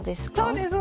そうです